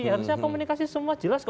harusnya komunikasi semua jelas